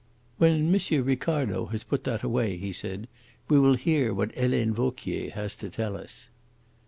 "When M. Ricardo has put that away," he said, "we will hear what Helene Vauquier has to tell us."